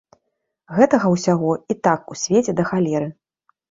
Гэтага ўсяго і так у свеце да халеры.